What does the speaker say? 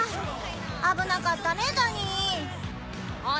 危なかったねダニー。